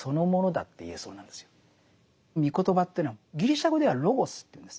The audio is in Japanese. み言葉というのはギリシャ語ではロゴスというんです。